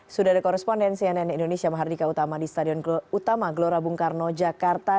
sudah ada korespondensi yang ada di indonesia mahardika utama di stadion utama gelora bung karno jakarta